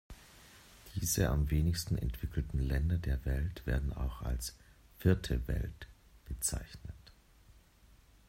Diese am wenigsten entwickelten Länder der Welt werden auch als „Vierte Welt“ bezeichnet.